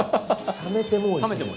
冷めても美味しい。